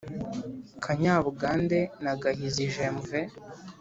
kanyabugande na gahizi j.m.v